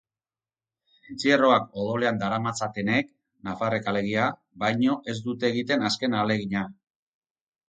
Entzierroak odolean daramatzatenek, nafarrek alegia, baino ez dute egiten azken ahalegina.